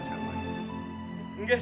tumalah kuli teringerembu